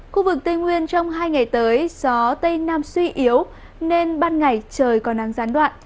khu vực tây nguyên trong hai ngày tới gió tây nam suy yếu nên ban ngày trời còn nắng gián đoạn